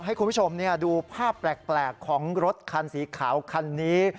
ให้คุณผู้ชมดูภาพแปลกของรถคันสีขาวคันนี้